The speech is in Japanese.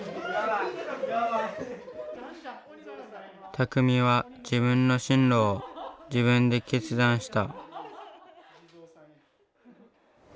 たくみは自分の進路を自分で決断した。